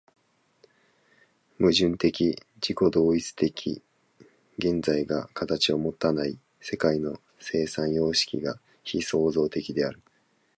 矛盾的自己同一的現在が形をもたない世界の生産様式が非創造的である。